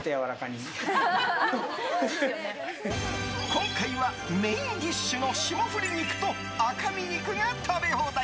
今回はメインディッシュの霜降り肉と赤身肉が食べ放題！